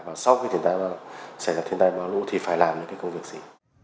và sau khi xảy ra thiên tai bao lũ thì phải làm những cái công việc gì